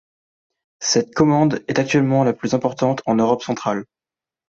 Cette commande est actuellement la plus importante en Europe Centrale.